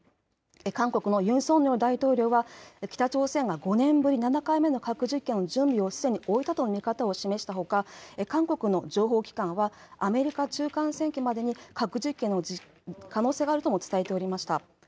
韓国のユン・ソンニョル大統領が北朝鮮が５年ぶり７回目の核実験の準備をすでに終えたと示したほか韓国の情報機関はアメリカ中間選挙までに核実験の可能性があるとも伝えていました。